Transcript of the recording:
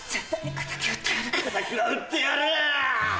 敵は討ってやる！